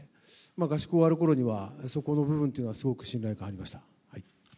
合宿が終わるころには、そこの部分はすごく信頼感がありました。